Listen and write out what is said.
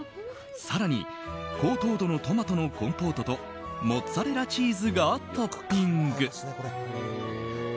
更に高糖度のトマトのコンポートとモッツァレラチーズがトッピング。